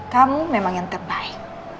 kamu memang yang terbaik